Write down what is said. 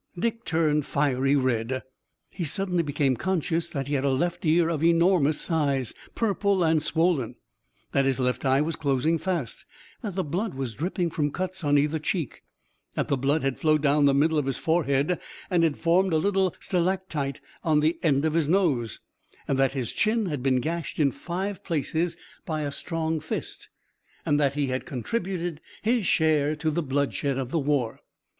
Dick turned fiery red. He suddenly became conscious that he had a left ear of enormous size, purple and swollen, that his left eye was closing fast, that the blood was dripping from cuts on either cheek, that the blood had flowed down the middle of his forehead and had formed a little stalactite on the end of his nose, that his chin had been gashed in five places by a strong fist, and that he had contributed his share to the bloodshed of the war.